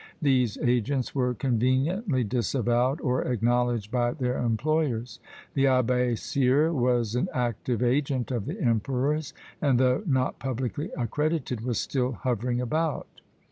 These agents were conveniently disavowed or acknowledged by their employers. The Abbé Cyre was an active agent of the emperor's, and though not publicly accredited, was still hovering about.